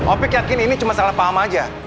opik yakin ini cuma salah paham aja